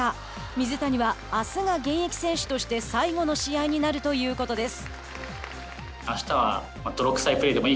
水谷はあすが現役選手として最後の試合になるということです。